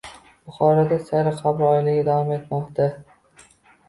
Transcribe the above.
Buxoroda “Sayyor qabul oyligi” davom etmoqda